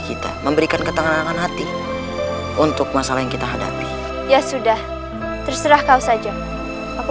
kita memberikan ketengan hati untuk masalah yang kita hadapi ya sudah terserah kau saja apa